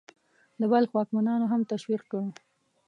د بلخ واکمنانو هم تشویق کړ.